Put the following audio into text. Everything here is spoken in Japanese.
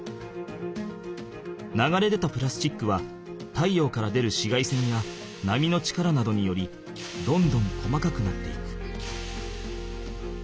流れ出たプラスチックは太陽から出る紫外線や波の力などによりどんどん細かくなっていく。